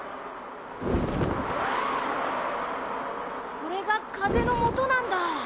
これがかぜのもとなんだ。